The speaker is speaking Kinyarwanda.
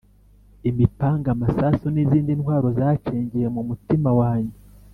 'imipanga, amasasu, n'izindi ntwaro zacengeye mu mutima wanjye.